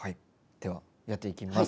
ではやっていきます。